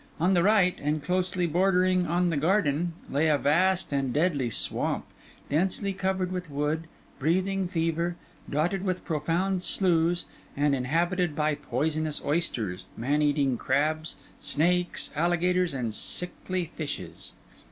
On the right and closely bordering on the garden, lay a vast and deadly swamp, densely covered with wood, breathing fever, dotted with profound sloughs, and inhabited by poisonous oysters, man eating crabs, snakes, alligators, and sickly fishes.